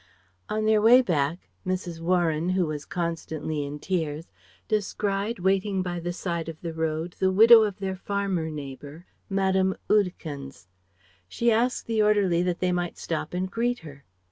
On their way back, Mrs. Warren, who was constantly in tears, descried waiting by the side of the road the widow of their farmer neighbour, Madame Oudekens. She asked the orderly that they might stop and greet her.